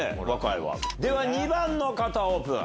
では２番の方オープン。